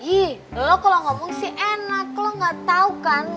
ih lo kalau ngomong sih enak lo gak tau kan